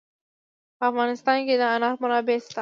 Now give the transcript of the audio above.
په افغانستان کې د انار منابع شته.